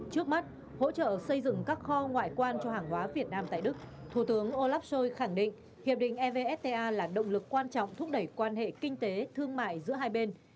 trước mắt hỗ trợ xây dựng các kho ngoại quan cho hàng hóa việt nam tại đức thủ tướng olaf scholz khẳng định hiệp định evfta là động lực quan trọng thúc đẩy quan hệ kinh tế thương mại giữa hai bên